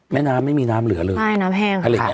แม่น้ำไม่มีน้ำเหลือเลย